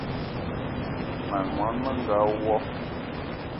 Mań món menga wo!